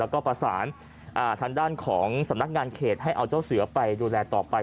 แล้วก็ประสานทางด้านของสำนักงานเขตให้เอาเจ้าเสือไปดูแลต่อไป